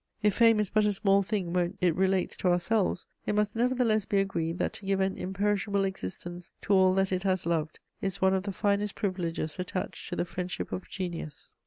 If fame is but a small thing when it relates to ourselves, it must nevertheless be agreed that to give an imperishable existence to all that it has loved is one of the finest privileges attached to the friendship of genius.